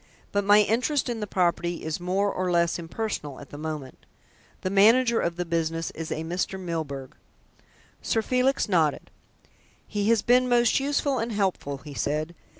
"But my interest in the property is more or less impersonal at the moment. The manager of the business is a Mr. Milburgh." Sir Felix nodded. "He has been most useful and helpful," he said.